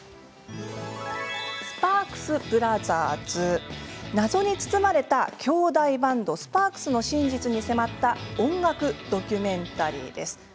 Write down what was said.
「スパークス・ブラザーズ」謎に包まれた兄弟バンドスパークスの真実に迫った音楽ドキュメンタリーです。